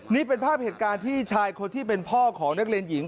นี่เป็นภาพเหตุการณ์ที่ชายคนที่เป็นพ่อของนักเรียนหญิง